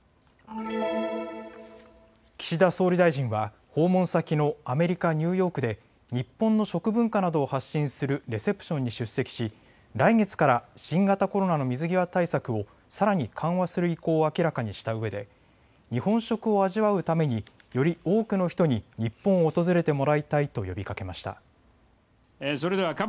岸田総理大臣は訪問先のアメリカ・ニューヨークで日本の食文化などを発信するレセプションに出席し来月から新型コロナの水際対策をさらに緩和する意向を明らかにしたうえで日本食を味わうためにより多くの人に日本を訪れてもらいたいと呼びかけました。